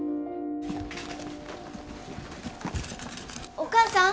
お母さん。